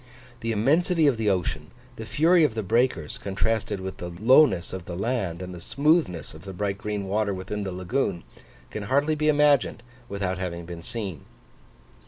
The immensity of the ocean, the fury of the breakers, contrasted with the lowness of the land and the smoothness of the bright green water within the lagoon, can hardly be imagined without having been seen.